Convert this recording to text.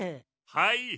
はい。